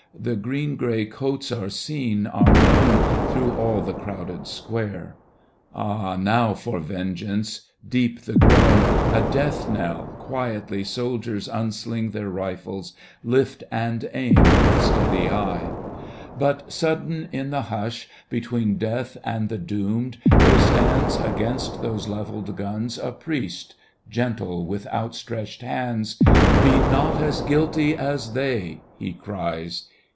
The green gray coats are seen, are known Through all the crowded square. Ah, now for vengeance I Deep the groan : A death knell ! Quietly Soldiers unsUng their rifles, lift And aim with steady eye. Digitized by Google 24 AT RHEIMS But sudden in the hush between Death and the doomed^ there stands Against those levelled guns a priest, Gentle, with outstretched hands. Be not as guitty as they I he cries